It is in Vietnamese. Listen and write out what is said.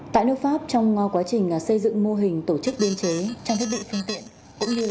tại nước pháp trong quá trình xây dựng mô hình tổ chức biên chế trong thiết bị phương tiện